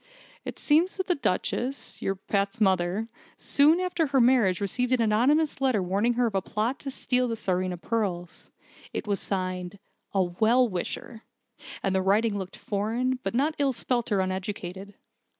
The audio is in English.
It seems that the Duchess your Pat's mother soon after her marriage received an anonymous letter warning her of a plot to steal the Tsarina pearls. It was signed 'A Well Wisher', and the writing looked foreign, but not ill spelt or uneducated.